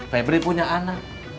febri punya anak